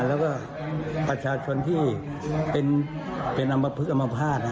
แล้วก็ประชาชนที่เป็นอำเภษอำเภษฮ่าท